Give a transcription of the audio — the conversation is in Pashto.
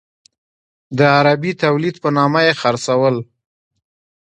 د عربي تولید په نامه یې خرڅول.